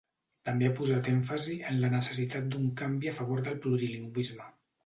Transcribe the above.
També ha posat èmfasi en la necessitat d'un canvi a favor del plurilingüisme.